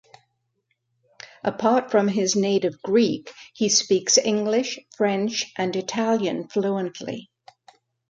Apart from his native Greek, he speaks English, French, and Italian fluently.